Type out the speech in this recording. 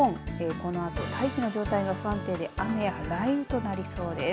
このあと大気の状態が不安定で雨や雷雨となりそうです。